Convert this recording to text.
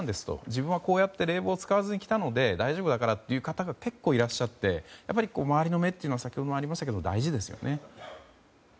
自分はこうやって冷房を使わずにやってきたので大丈夫だからという方が結構いらっしゃって周りの目というのは先ほどもありましたが大事ですよね。